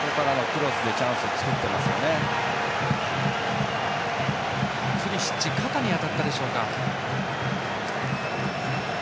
プリシッチ肩に当たったでしょうか。